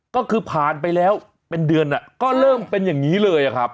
ก็คือผ่านไปแล้วเป็นเดือนก็เริ่มเป็นอย่างนี้เลยครับ